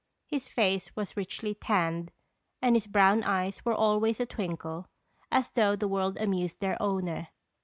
His face was richly tanned and his brown eyes were always a twinkle, as though the world amused their owner.